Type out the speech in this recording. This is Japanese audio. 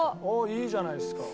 いいじゃないですか。